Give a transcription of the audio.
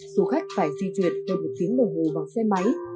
du khách phải di chuyển hơn một tiếng đồng hồ bằng xe máy